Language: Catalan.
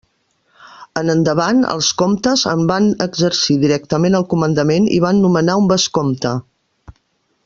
En endavant els comtes en van exercir directament el comandament i van nomenar un vescomte.